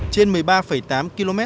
trên một mươi ba tám km